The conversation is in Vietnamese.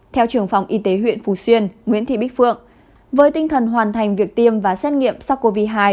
theo trường phòng y tế huyện phú xuyên nguyễn thị bích phượng với tinh thần hoàn thành việc tiêm và xét nghiệm sars cov hai